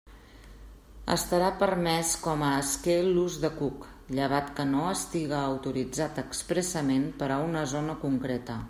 Estarà permés com a esquer l'ús de cuc, llevat que no estiga autoritzat expressament per a una zona concreta.